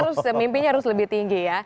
boleh lah ya mimpinya harus lebih tinggi ya